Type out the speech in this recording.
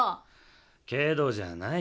けどじゃない。